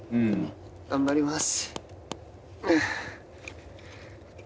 頑張ります。